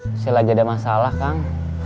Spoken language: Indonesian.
masih lagi ada masalah kang